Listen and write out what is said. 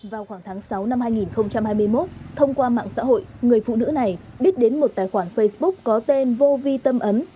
vào khoảng tháng sáu năm hai nghìn hai mươi một thông qua mạng xã hội người phụ nữ này biết đến một tài khoản facebook có tên vô vi tâm ấn